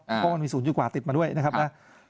เพราะมันมีสูงอยู่กว่าติดมาด้วยนะครับนะ